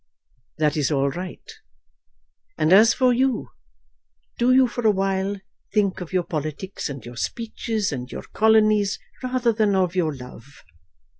"That is all right. And as for you, do you for a while think of your politics, and your speeches, and your colonies, rather than of your love.